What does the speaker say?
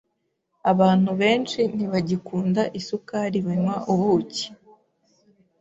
Abantu benshi ntibagikunda isukari banywa ubuki